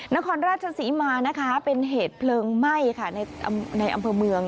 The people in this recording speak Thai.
นครราชสีมาเป็นเหตุเพลิงไหม้ในอำเภอเมือง